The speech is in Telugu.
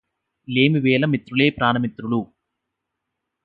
లేమివేళ మిత్రులే ప్రాణమిత్రులు